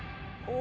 お。